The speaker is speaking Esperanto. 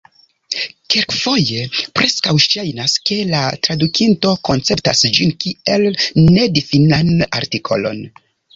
Kelkfoje preskaŭ ŝajnas, ke la tradukinto konceptas ĝin kiel nedifinan artikolon.